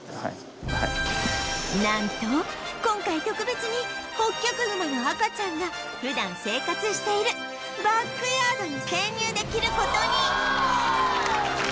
なんと今回特別にホッキョクグマの赤ちゃんが普段生活しているバックヤードに潜入できる事に！